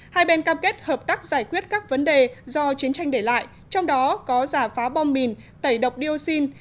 hai bên cam kết hợp tác giải quyết các vấn đề do chiến tranh để lại trong đó có giả phá bom mìn tẩy độc dioxin